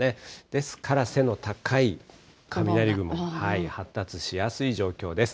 ですから背の高い雷雲、発達しやすい状況です。